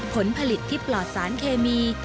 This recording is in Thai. ผลผลิตที่ปลอดสารเคมี